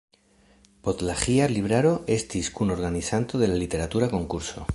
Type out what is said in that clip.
Podlaĥia Libraro estis kunorganizanto de la literatura konkurso.